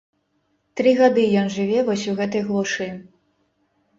Тры гады ён жыве вось у гэтай глушы.